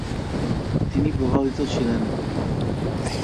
তিনি প্রভাবিত ছিলেন।